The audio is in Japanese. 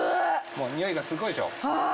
においがすごいでしょ。